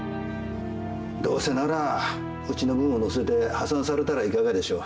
どうせならうちの分をのせて破産されたらいかがでしょう。